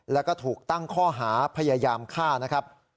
แล้วก็ถูกตั้งข้อหาพยายามฆ่านะครับ